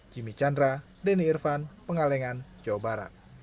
jimmy chandra denny irfan pengalengan jawa barat